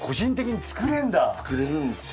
作れるんですよ。